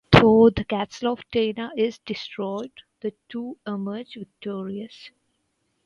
Though the Castle of Taina is destroyed, the two emerge victorious.